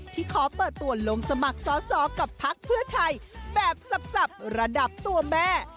ขอเปิดตัวลงสมัครสอสอกับพักเพื่อไทยแบบสับระดับตัวแม่